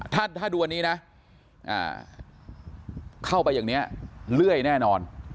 ถ้าดูอันนี้นะเข้าไปอย่างนี้เลื่อยแน่นอน